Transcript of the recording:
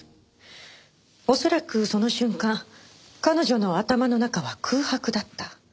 恐らくその瞬間彼女の頭の中は空白だった。